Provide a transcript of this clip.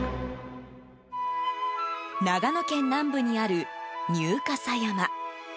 長野県南部にある入笠山。